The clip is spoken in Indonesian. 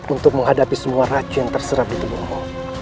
untuk menghadapi semua racun terserap di tubuhmu